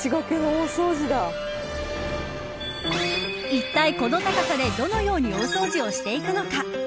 いったいこの高さでどのように大掃除をしていくのか。